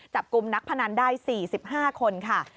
จับกลุ่มนักพนันได้๔๕คนค่ะ